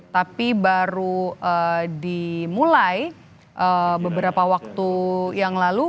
tapi baru dimulai beberapa waktu yang lalu